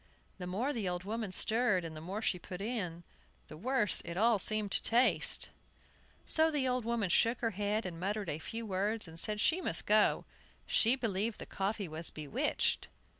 The more the old woman stirred, and the more she put in, the worse it all seemed to taste. So the old woman shook her head, and muttered a few words, and said she must go. She believed the coffee was bewitched.